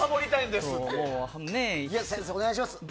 先生、お願いします。